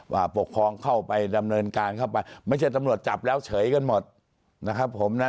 ว่าปกครองเข้าไปดำเนินการเข้าไปไม่ใช่ตำรวจจับแล้วเฉยกันหมดนะครับผมนะ